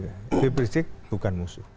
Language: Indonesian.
habib rizieq bukan musuh